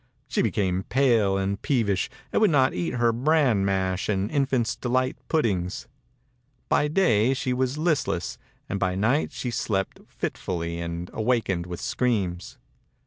She became pale and peevish and would not eat her bran mash and Infant's Delight puddings. By day she was listless and by night she slept fitfully and awakened with screams.